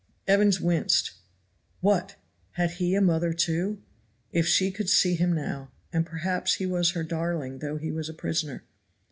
Evans winced. What! had he a mother, too? If she could see him now! and perhaps he was her darling though he was a prisoner.